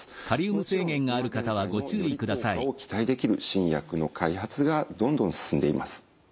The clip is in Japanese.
もちろん今現在もより効果を期待できる新薬の開発がどんどん進んでいます。